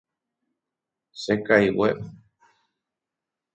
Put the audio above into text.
Chekaigue.